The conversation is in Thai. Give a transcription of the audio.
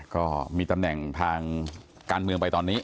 ก็มีตำแหน่งทางการเมืองไปตอนนี้